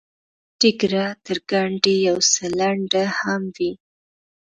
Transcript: ډیګره تر ګنډۍ یو څه لنډه هم وي.